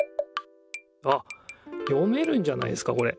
あっ読めるんじゃないですかこれ。